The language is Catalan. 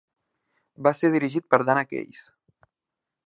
Va ser dirigit per Dana Case.